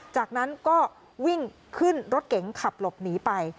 จากนั้นก็วิ่งขึ้นรถเก๋งขับหลบหนีไป